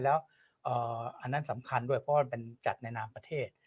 แล้วอันนั้นสำคัญด้วยเพราะว่าเป็นจัดในนามประเทศ